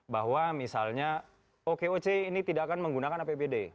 bahwa misalnya oke oce ini tidak akan menggunakan apbd